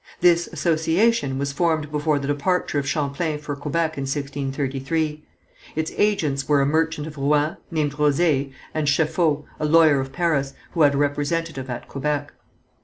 This association was formed before the departure of Champlain for Quebec in 1633. Its agents were a merchant of Rouen named Rosée, and Cheffault, a lawyer of Paris, who had a representative at Quebec.